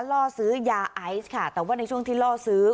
ล่อซื้อยาไอซ์ค่ะแต่ว่าในช่วงที่ล่อซื้อ